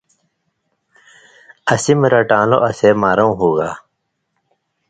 اسی مہ رٹان٘لو اسیں مارؤں ہُوگا۔